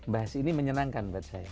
bahas ini menyenangkan buat saya